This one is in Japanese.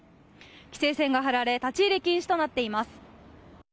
規制線が張られ立ち入り禁止となっています。